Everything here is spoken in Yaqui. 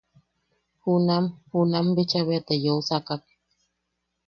Junam junam bicha bea te yeusakak.